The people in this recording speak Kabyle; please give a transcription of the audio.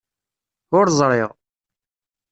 Ur ẓriɣ.